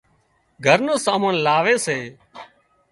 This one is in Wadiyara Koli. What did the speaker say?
گھر نُون سامان لاوي سي